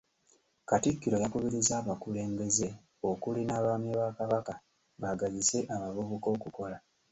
Katikkiro yakubirizza abakulembeze okuli n’Abaami ba Kabaka baagazise abavubuka okukola.